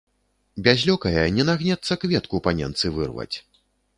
Без лёкая не нагнецца кветку паненцы вырваць.